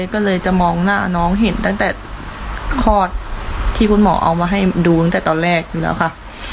ก็เลยจะมองหน้าน้องเห็นตั้งแต่คลอดที่คุณหมอเอามาให้ดูตั้งแต่ตอนแรกอยู่แล้วค่ะ